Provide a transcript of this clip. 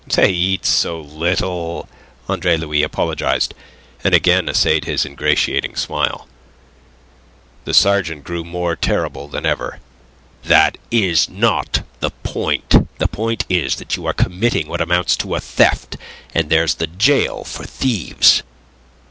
"They eat so little," Andre Louis apologized, and again essayed his ingratiating smile. The sergeant grew more terrible than ever. "That is not the point. The point is that you are committing what amounts to a theft, and there's the gaol for thieves."